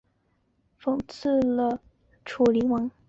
庆封临死讽刺了楚灵王。